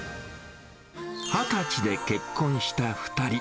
２０歳で結婚した２人。